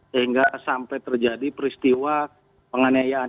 sehingga sampai terjadi peristiwa penganiayaan